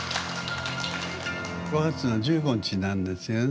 ５月の１５日なんですよね。